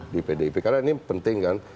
di pdip karena ini penting kan